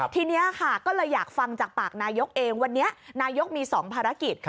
ทีนี้ค่ะก็เลยอยากฟังจากปากนายกเองวันนี้นายกมี๒ภารกิจ